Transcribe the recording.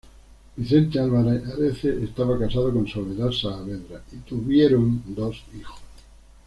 Vicente Álvarez Areces estaba casado con Soledad Saavedra y tuvo dos hijos.